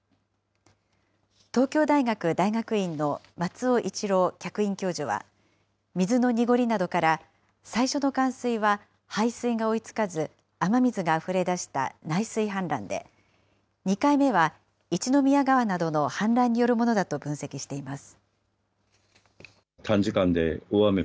東京大学大学院の松尾一郎客員教授は、水の濁りなどから、最初の冠水は、排水が追いつかず、雨水があふれ出した内水氾濫で、２回目は一宮川などの氾濫によるものだと分析しています。